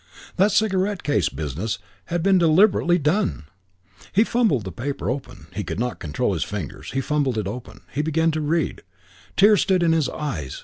That cigarette case business had been deliberately done! He fumbled the paper open. He could not control his fingers. He fumbled it open. He began to read. Tears stood in his eyes.